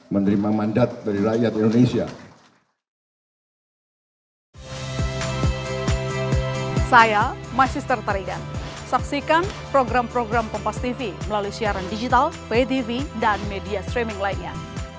menerima mandat dari rakyat indonesia